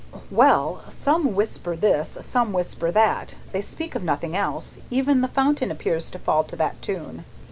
"Well! Some whisper this, some whisper that; they speak of nothing else; even the fountain appears to fall to that tune.